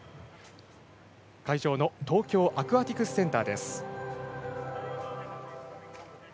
会場の東京アクアティクスセンターです。